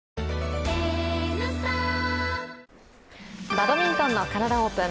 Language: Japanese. バドミントンのカナダオープン。